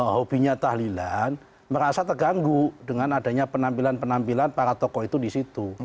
hobinya tahlilan merasa terganggu dengan adanya penampilan penampilan para tokoh itu di situ